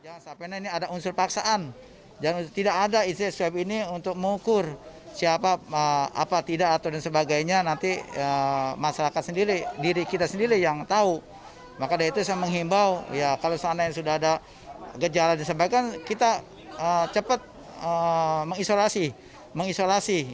gejala yang disampaikan kita cepat mengisolasi